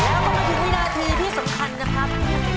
แล้วก็มาถึงวินาทีที่สำคัญนะครับ